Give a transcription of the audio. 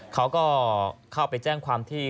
เขาก็เข้าไปแจ้งความที่